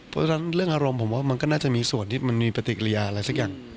เพราะฉะนั้นเรื่องอารมณ์ผมว่ามันก็น่าจะมีส่วนที่มันมีปฏิกิริยาอะไรสักอย่าง